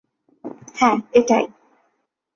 হ্যা, এটাই।